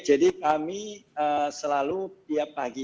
jadi kami selalu tiap pagi itu ada nama kondisi